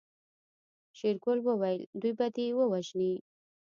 شېرګل وويل دوی به دې ووژني.